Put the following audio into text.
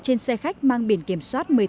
trên xe khách mang biển kiểm soát